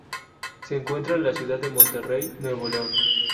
Se encuentra en la ciudad de Monterrey, Nuevo León.